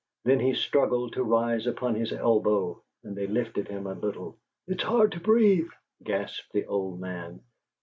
Then he struggled to rise upon his elbow, and they lifted him a little. "It's hard to breathe," gasped the old man.